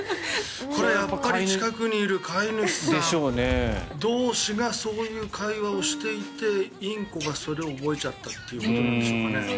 やっぱり近くにいる飼い主さん同士がそういう会話をしていてインコがそれを覚えちゃったということでしょうかね。